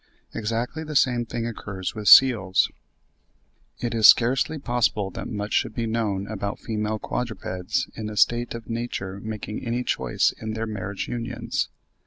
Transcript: Exactly the same thing occurs with seals; see Mr. J.A. Allen, ibid. p. 100.) It is scarcely possible that much should be known about female quadrupeds in a state of nature making any choice in their marriage unions.